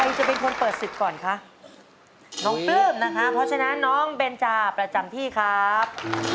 จะเป็นคนเปิดศึกก่อนคะน้องปลื้มนะคะเพราะฉะนั้นน้องเบนจาประจำที่ครับ